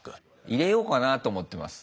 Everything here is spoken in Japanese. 入れようかなと思ってます。